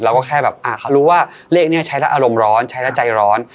เราก็แค่แบบเขารู้ว่าเลขนี้ใช้แล้วอารมณ์ร้อนใช้แล้วใจร้อน